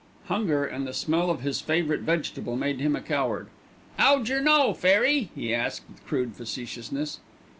Hunger, and the smell of his favourite vegetable, made him a coward. "'Ow jer know, Fairy?" he asked with crude facetiousness.